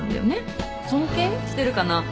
尊敬してるかな